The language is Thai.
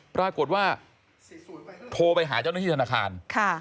ปรากฏว่าโทรไปหาเจ้าหน้าที่ธนาคาร